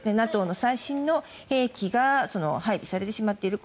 ＮＡＴＯの最新の兵器が配備されてしまっている。